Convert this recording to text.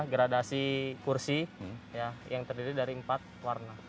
gradasi kursi yang terdiri dari empat warna